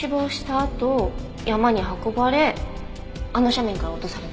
あと山に運ばれあの斜面から落とされた？